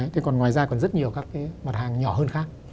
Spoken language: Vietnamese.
thế còn ngoài ra còn rất nhiều các cái mặt hàng nhỏ hơn khác